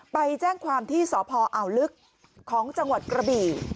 ไปแจ้งความที่สพอ่าวลึกของจังหวัดกระบี่